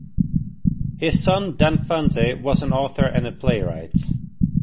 His son Dan Fante was an author and playwright.